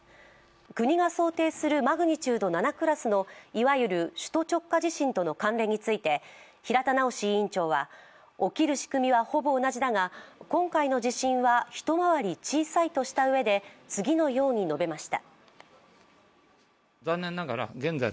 国が想定するマグニチュード７クラスのいわゆる首都直下地震との関連について、平田直委員長は起きる仕組みはほぼ同じだが今回の地震は一回り小さいとしたうえで、次のように述べました。